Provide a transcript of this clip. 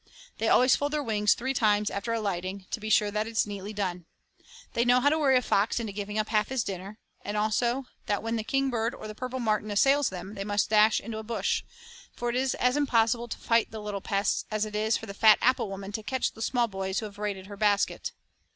They always fold their wings three times after alighting, to be sure that it is neatly done. They know how to worry a fox into giving up half his dinner, and also that when the kingbird or the purple martin assails them they must dash into a bush, for it is as impossible to fight the little pests as it is for the fat apple woman to catch the small boys who have raided her basket.